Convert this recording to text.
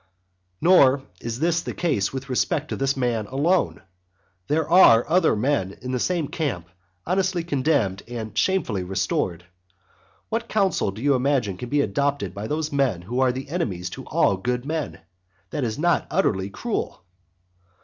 Nor is this the case with respect to this man alone; there are other men in the same camp honestly condemned and shamefully restored; what counsel do you imagine can be adopted by those men who are enemies to all good men, that is not utterly cruel?